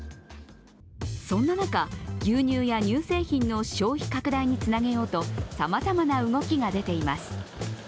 そんな中、牛乳や乳製品の消費拡大につなげようとさまざまな動きが出ています。